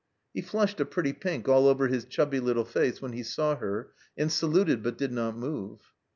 He flushed a pretty pink all over his chubby little face when he saw her, and saluted, but did not move.